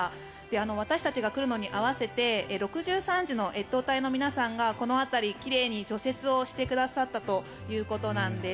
私たちが来るのに合わせて６３次の越冬隊の皆さんがこの辺り、奇麗に除雪をしてくださったということなんです。